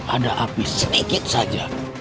ada api sedikit saja